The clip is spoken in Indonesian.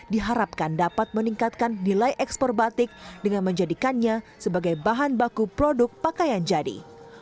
diharapkan dapat meningkatkan nilai ekspor batik dengan menjadikannya sebagai bahan baku produk pakaian jadi